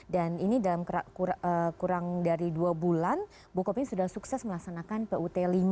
dan ini dalam kurang dari dua bulan bukopin sudah sukses melaksanakan put lima